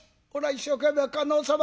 一生懸命観音様